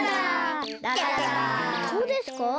どうですか？